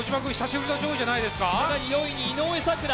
更に４位に井上咲楽。